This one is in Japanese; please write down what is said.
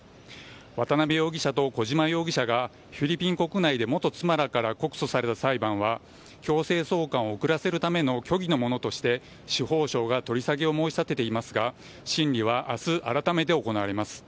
渡辺容疑者と小島容疑者がフィリピン国内で元妻らから告訴された裁判は強制送還を遅らせるための虚偽のものとして、司法省が取り下げを申し立てていますが審理は明日改めて行われます。